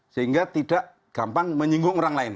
sehingga tidak gampang menyinggung orang lain